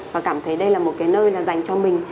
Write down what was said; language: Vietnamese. và cảm thấy đây là một cái nơi là dành cho mình